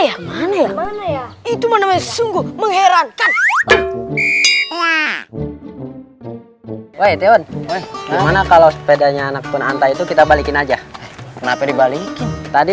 hai woi tion gimana kalau sepedanya anak pun antah itu kita balikin aja kenapa dibalikin tadi